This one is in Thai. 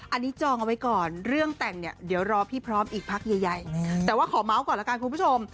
อันนี้จองเอาไว้ก่อนเรื่องแต่งเนี่ยเดี๋ยวรอพี่พร้อมอีกพักใหญ่แต่ว่าขอเมาส์ก่อนแล้วกันคุณผู้ชม